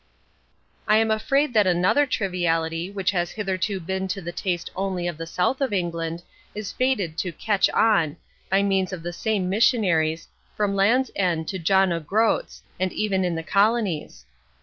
I am afraid that another triviality which has hitherto been to the taste only of the south of England is fated to "catch on," by means of the same missionaries, from Land's End to John o' Groat's, and even in the colonies.